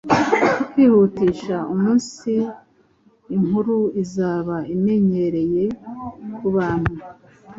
kwihutisha umunsi inkuru izaba imenyereye kubantu